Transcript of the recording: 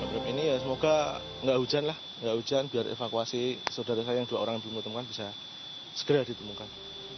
hari ini semoga nggak hujan lah biar evakuasi saudara saya yang dua orang belum ditemukan bisa segera ditemukan